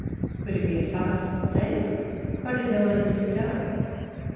Could it be a fast day? Why did no one sit down?